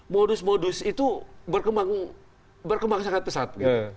modus modus itu berkembang sangat pesat